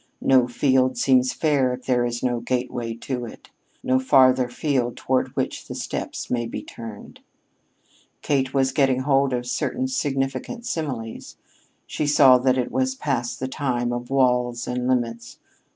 No field seems fair if there is no gateway to it no farther field toward which the steps may be turned. Kate was getting hold of certain significant similes. She saw that it was past the time of walls and limits.